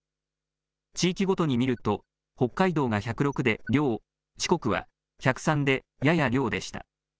地域ごとに見ると北海道が１０６で良、四国は１０３でやや良でした。